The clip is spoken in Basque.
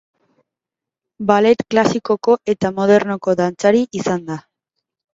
Ballet klasikoko eta modernoko dantzari izan da.